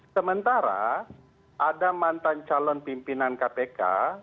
sementara ada mantan calon pimpinan kpk